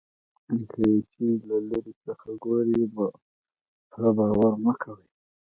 که یو څیز له لرې څخه ګورئ پوره باور مه کوئ.